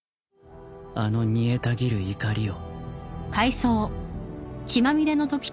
あの煮えたぎる怒りを